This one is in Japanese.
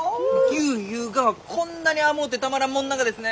牛ゆうがはこんなに甘うてたまらんもんながですね！